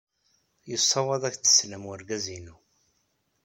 Yessawaḍ-ak-d sslam wergaz-inu.